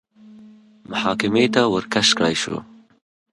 محاکمې ته ورکش کړای شو